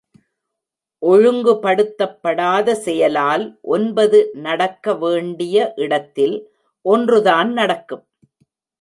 ஒழுங்குப்படுத்தப் படாத செயலால் ஒன்பது நடக்க வேண்டிய இடத்தில் ஒன்றுதான் நடக்கும்.